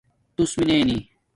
تُݸس میننی